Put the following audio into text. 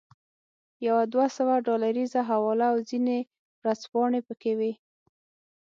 یوه دوه سوه ډالریزه حواله او ځینې ورځپاڼې پکې وې.